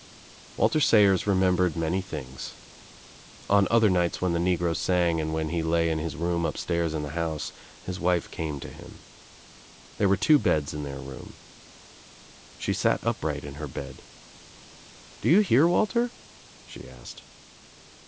Walter Sayers remembered many things. On other ights when the negro sang and when he lay in his upstairs in the house, his wife came to him. here were two beds in their room. She sat up Ight in her bed. "Do you hear, Walter?" she asked.